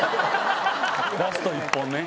ラスト１本ね。